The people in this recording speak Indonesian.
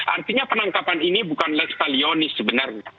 artinya penangkapan ini bukan lektalionis sebenarnya